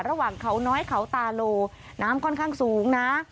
ระหว่างเขาน้อยเขาตาโลน้ำค่อนข้างสูงนะ